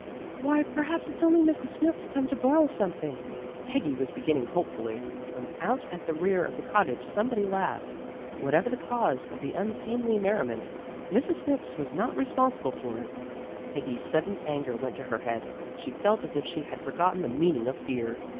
"Why, perhaps it's only Mrs. Snooks come to borrow something," Peggy was beginning hopefully, when out at the rear of the cottage somebody laughed. Whatever the cause of the unseemly merriment, Mrs. Snooks was not responsible for it. Peggy's sudden anger went to her head. She felt as if she had forgotten the meaning of fear.